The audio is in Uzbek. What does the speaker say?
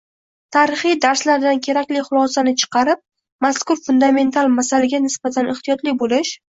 Tarixiy darslardan kerakli xulosani chiqarib, mazkur fundamental masalaga nisbatan ehtiyotli bo‘lish